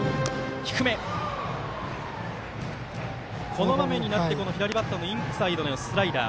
この場面になって左バッターのインサイドへのスライダー。